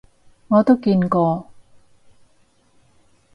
我都見過